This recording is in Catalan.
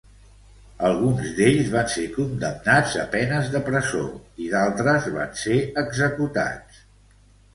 Alguns d'ells van ser condemnats a penes de presó i d'altres van ser executats.